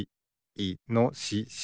いのしし。